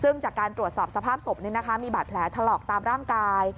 ซึ่งจากการตรวจสอบสภาพศพมีบาดแผลถลอกตามร่างกาย